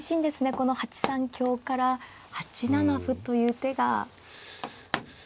この８三香から８七歩という手が。